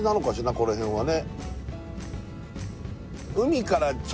この辺はね